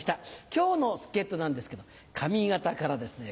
今日の助っ人なんですけど上方からですね